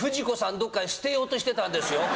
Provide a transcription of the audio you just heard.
どっかに捨てようとしてたんですよ。